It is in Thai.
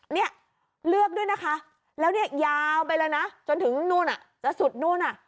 เนี่ยเลือกด้วยนะคะแล้วเนี่ยยาวไปเลยนะจนถึงนู่นอ่ะจะสุดนู่นอ่ะ